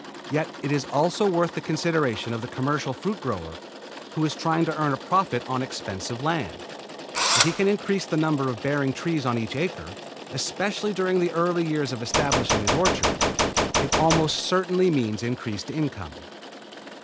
Yet it is also worth the consideration of the commercial fruit grower who is trying to earn a profit on expensive land. If he can increase the number of bearing trees on each acre, especially during the early years of establishing his orchard, it almost certainly means increased income.